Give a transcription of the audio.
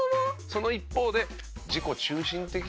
その一方で。